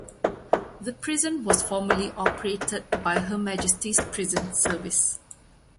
The prison was formerly operated by Her Majesty's Prison Service.